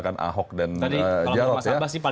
katakan ahok dan jawab ya